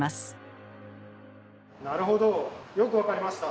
なるほどよく分かりました。